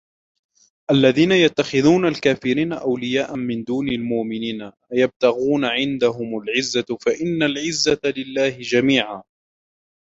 الَّذِينَ يَتَّخِذُونَ الْكَافِرِينَ أَوْلِيَاءَ مِنْ دُونِ الْمُؤْمِنِينَ أَيَبْتَغُونَ عِنْدَهُمُ الْعِزَّةَ فَإِنَّ الْعِزَّةَ لِلَّهِ جَمِيعًا